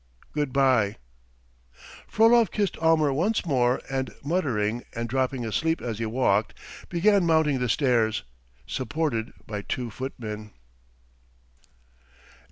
... Good bye." Frolov kissed Almer once more and muttering and dropping asleep as he walked, began mounting the stairs, supported by two footmen.